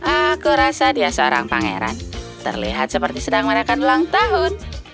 aku rasa dia seorang pangeran terlihat seperti sedang merayakan ulang tahun